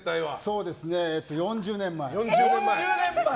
そうですね、４０年前。